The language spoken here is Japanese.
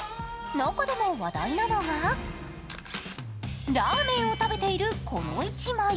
中でも話題なのが、ラーメンを食べているこの一枚。